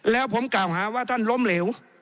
แล้วผมกล่าวหาว่าท่านล้มเหลว